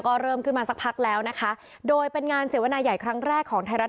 ก็เริ่มขึ้นมาสักพักแล้วนะคะโดยเป็นงานเสวนาใหญ่ครั้งแรกของไทยรัฐ